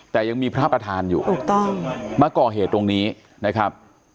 แต่ยังมีพระประธานอยู่ถูกต้องมาก่อเหตุตรงนี้นะครับ